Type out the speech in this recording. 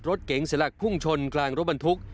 รถเก๋งเสียหลักพุ่งชนกลางรถบรรทุก